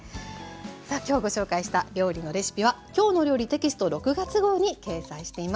さあ今日ご紹介した料理のレシピは「きょうの料理」テキスト６月号に掲載しています。